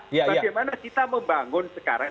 bagaimana kita membangun sekarang